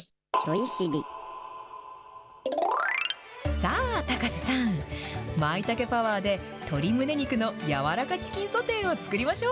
さあ、高瀬さん、まいたけパワーで、鶏むね肉の柔らかチキンソテーを作りましょう。